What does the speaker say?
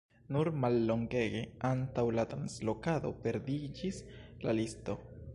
Nur mallongege antaŭ la translokado perdiĝis la listo.